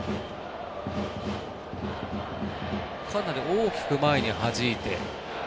かなり大きく前に、はじいて。